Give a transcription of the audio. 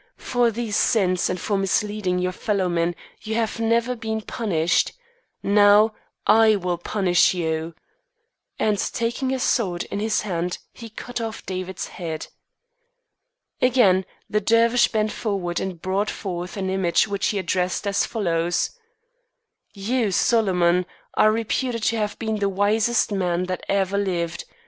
For these sins and for misleading your fellowmen you have never been punished. Now I will punish you," and taking his sword in his hand he cut off David's head. Again the Dervish bent forward and brought forth an image which he addressed as follows: "You, Solomon, are reputed to have been the wisest man that ever lived.